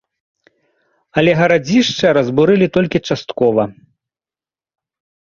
Але гарадзішча разбурылі толькі часткова.